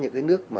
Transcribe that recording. những cái nước